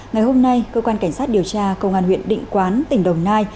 ngày hôm nay cơ quan cảnh sát điều tra công an huyện định quán tỉnh đồng nai